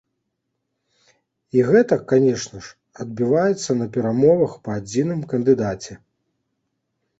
І гэта, канешне ж, адбіваецца на перамовах па адзіным кандыдаце.